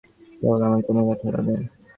কেবল আমার কনুইয়ের ব্যথাটা বাদে।